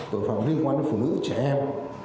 tội phạm liên quan đến phụ nữ trẻ em